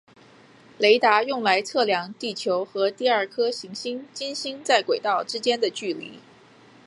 雷达用来测量地球和第二颗行星金星在轨道之间的距离。